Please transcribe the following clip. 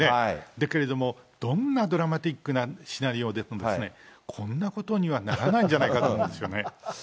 だけれども、どんなドラマティックなシナリオでも、こんなことにはならないんじゃないかと思うんですよね。